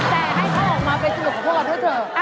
แต่ให้เขาออกมาเป็นสนุกกับพวกเราด้วยเถอะ